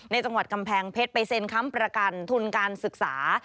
จังหวัดกำแพงเพชรไปเซ็นค้ำประกันทุนการศึกษา